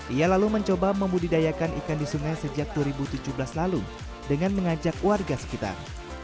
ia lalu mencoba membudidayakan ikan di sungai sejak dua ribu tujuh belas lalu dengan mengajak warga sekitar